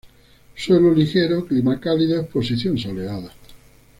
Suelo ligero, clima cálido, exposición soleada.